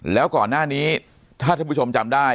แล้วก่อนหน้านี้ถ้าท่านผู้ชมจำได้